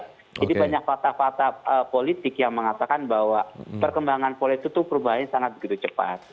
jadi banyak fakta fakta politik yang mengatakan bahwa perkembangan politik itu perubahannya sangat begitu cepat